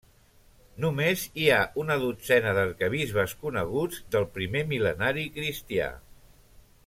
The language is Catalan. Només hi ha una dotzena d'arquebisbes coneguts del primer mil·lenari cristià.